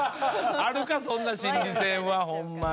あるかそんな心理戦はホンマに。